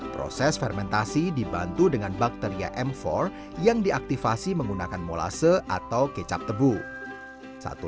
proses fermentasi dibantu dengan bakteria m empat yang diaktifasi menggunakan molase atau kecap tebu